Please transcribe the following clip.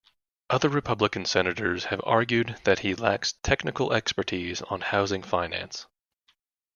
Other Republican senators have argued that he lacks technical expertise on housing finance.